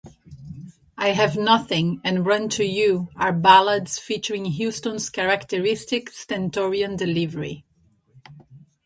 "I Have Nothing" and "Run to You" are ballads featuring Houston's characteristic stentorian delivery.